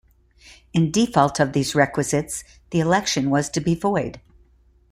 In default of these requisites the election was to be void.